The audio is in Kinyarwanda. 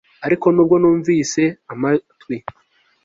ariko nubwo nunvise amatwi